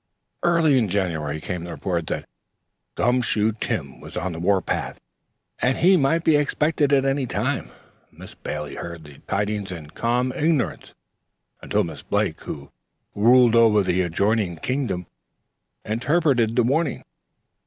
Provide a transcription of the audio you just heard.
Early in January came the report that "Gum Shoe Tim" was on the war path and might be expected at any time. Miss Bailey heard the tidings in calm ignorance until Miss Blake, who ruled over the adjoining kingdom, interpreted the warning.